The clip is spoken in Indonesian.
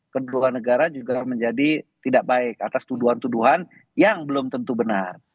kedua negara juga menjadi tidak baik atas tuduhan tuduhan yang belum tentu benar